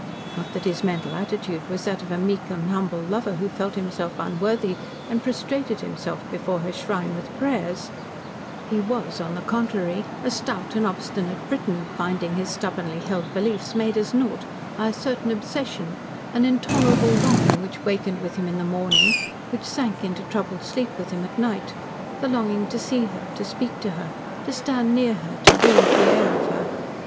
Not that his mental attitude was that of a meek and humble lover who felt himself unworthy and prostrated himself before her shrine with prayers he was, on the contrary, a stout and obstinate Briton finding his stubbornly held beliefs made as naught by a certain obsession an intolerable longing which wakened with him in the morning, which sank into troubled sleep with him at night the longing to see her, to speak to her, to stand near her, to breathe the air of her.